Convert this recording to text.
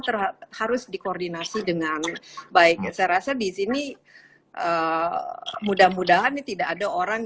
terhadap harus dikoordinasi dengan baiknya saya rasa disini mudah mudahan ini tidak ada orang